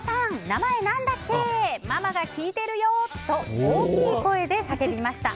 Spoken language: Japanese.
名前なんたっけ！とママが聞いてるよ！と大きい声で叫びました。